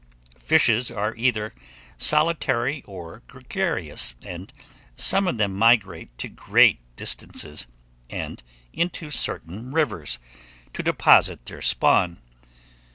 FISHES ARE EITHER SOLITARY OR GREGARIOUS, and some of them migrate to great distances, and into certain rivers, to deposit their spawn.